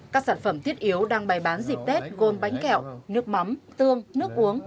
các sản phẩm thiết yếu đang bày bán dịp tết gồm bánh kẹo nước mắm tương nước uống